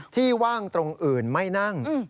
ว่างตรงอื่นไม่นั่ง